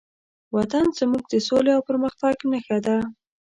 وطن زموږ د سولې او پرمختګ نښه ده.